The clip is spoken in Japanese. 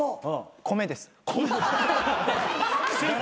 米です。